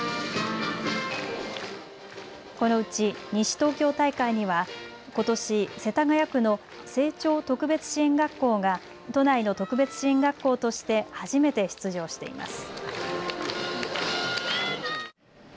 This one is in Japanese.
このうち西東京大会にはことし世田谷区の青鳥特別支援学校が都内の特別支援学校として初めて出場しています。